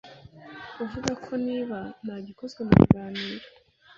avuga ko niba nta gikozwe mu biganiro